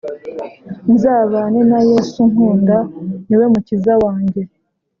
nzabane, na yes’unkunda, ni we mukiza wanjye